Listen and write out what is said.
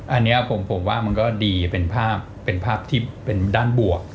อันนี้ผมว่ามันก็ดีเป็นภาพเป็นภาพที่เป็นด้านบวก